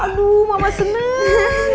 aduh mama seneng